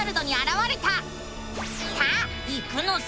さあ行くのさ！